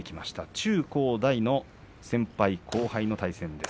中高大の先輩後輩の対戦です。